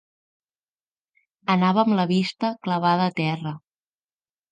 Anava amb la vista clavada a terra